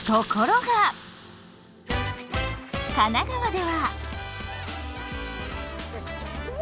神奈川では。